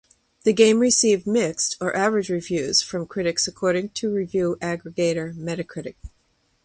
The game received "mixed or average reviews" from critics according to review aggregator Metacritic.